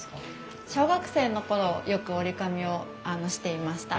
小学生の頃よく折り込みをしていました。